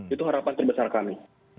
itu harapan terbesar kami